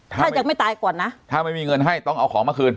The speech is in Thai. ถ้ายังไม่ตายก่อนนะถ้าไม่มีเงินให้ต้องเอาของมาคืน